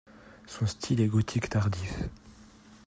Son style est gothique tardif.